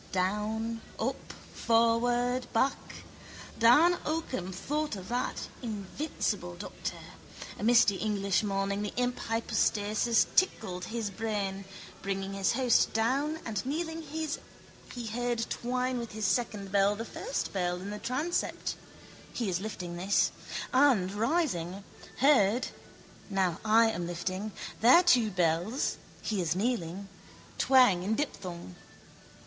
Down, up, forward, back. Dan Occam thought of that, invincible doctor. A misty English morning the imp hypostasis tickled his brain. Bringing his host down and kneeling he heard twine with his second bell the first bell in the transept (he is lifting his) and, rising, heard (now I am lifting) their two bells (he is kneeling) twang in diphthong.